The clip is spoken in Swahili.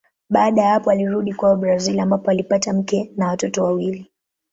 Baada ya hapo alirudi kwao Brazili ambapo alipata mke na watoto wawili.